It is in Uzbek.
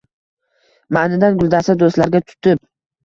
Ma’nidan guldasta do’stlarga tutib